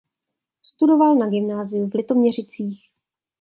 Studoval na gymnáziu v Litoměřicích.